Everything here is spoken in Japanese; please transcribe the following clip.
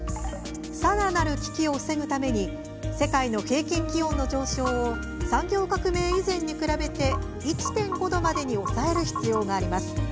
さらなる危機を防ぐために世界の平均気温の上昇を産業革命以前に比べて１．５℃までに抑える必要があります。